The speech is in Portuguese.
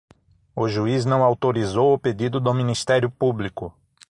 O juiz não autorizou o pedido do ministério público